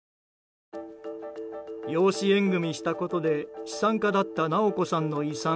養子縁組したことで資産家だった直子さんの遺産